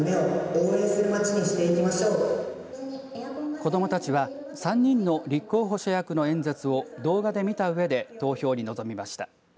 子どもたちは３人の立候補者役の演説を動画で見たうえで投票に臨みました。